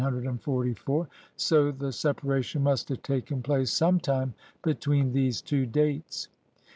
649) in March, 1844, so the sep aration must have taken place sometime between these two dates.